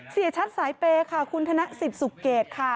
เสียชัดสายเปย์ค่ะคุณธนสิทธิสุเกตค่ะ